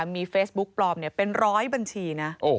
มีเฟซบุ๊กปลอมเป็นร้อยบัญชีนะ